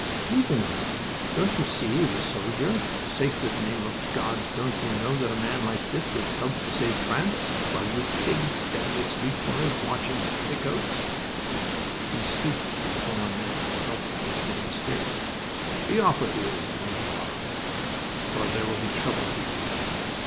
"Leave him alone. Don't you see he is a soldier? Sacred name of God, don't you know that a man like this has helped to save France, while you pigs stand at street corners watching petticoats?" He stooped to the fallen man and helped him to stand straight. "Be off with you, mon brave, or there will be trouble for you."